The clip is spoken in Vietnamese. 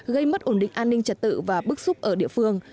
gây mất ổn định an ninh trật tự và bức xúc ở địa phương